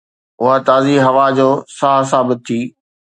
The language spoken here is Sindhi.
اها تازي هوا جو ساهه ثابت ٿي